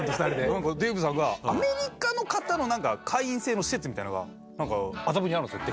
なんかデーブさんがアメリカの方のなんか会員制の施設みたいなのがなんか麻布にあるんですよ